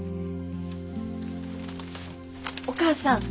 お母さん。